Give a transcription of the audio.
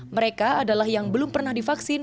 mereka adalah yang belum pernah divaksin